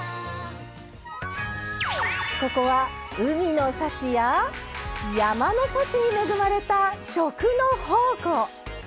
ここは海の幸や山の幸に恵まれた食の宝庫。